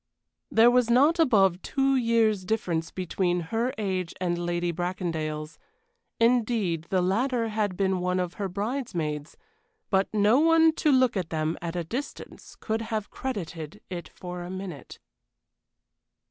There was not above two years' difference between her age and Lady Bracondale's; indeed, the latter had been one of her bridesmaids; but no one to look at them at a distance could have credited it for a minute.